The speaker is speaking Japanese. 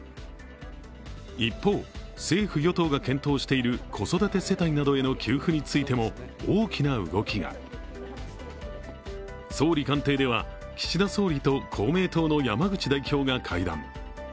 一方、政府・与党が検討している子育て世帯などへの給付についても大きな動きが総理官邸では岸田総理と公明党の山口代表が会談。